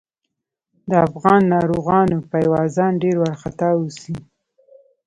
د افغان ناروغانو پايوازان ډېر وارخطا اوسي.